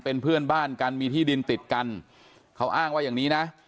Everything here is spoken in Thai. เป็นเพื่อนบ้านกันมีที่ดินติดกันเขาอ้างว่าอย่างนี้นะ